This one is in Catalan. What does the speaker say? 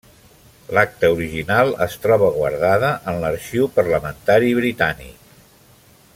L'acta original es troba guardada en l'Arxiu Parlamentari britànic.